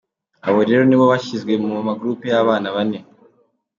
Abo rero nibo bashyizwe mu ma groupes ya bane bane.